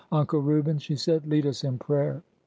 '' Uncle Reuben," she said, lead us in prayer."